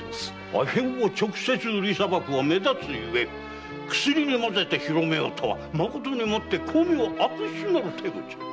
阿片を直接売りさばくのは目立つゆえ薬に混ぜて広めようとはまことに巧妙悪質なる手口。